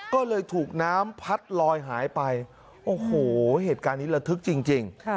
ก็เลยถูกน้ำพัดลอยหายไปโอ้โหเหตุการณ์นี้ระทึกจริง